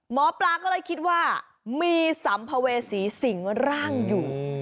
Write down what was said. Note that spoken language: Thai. หมอปลาก็เลยคิดว่ามีสัมภเวษีสิงร่างอยู่